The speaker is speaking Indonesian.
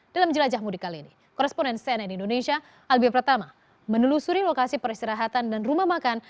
dalam jelajah mudik kali ini koresponen cnn indonesia albia pertama menelusuri lokasi peristirahatan dan rumah makan